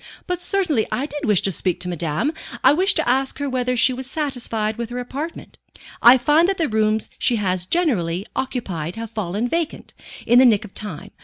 "But certainly I did wish to speak to madame. I wished to ask her whether she was satisfied with her apartment. I find that the rooms she has generally occupied have fallen vacant, in the nick of time.